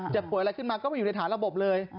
ป่วยอะไรขึ้นมาก็ไม่อยู่ในฐานระบบเลย